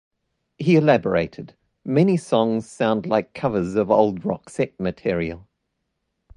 He elaborated: Many songs sound like covers of old Roxette material.